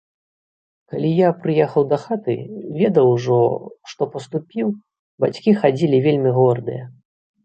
Калі я прыехаў дахаты, ведаў ужо, што паступіў, бацькі хадзілі вельмі гордыя.